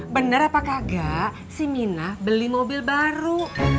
bener apa kagak si mina beli mobil baru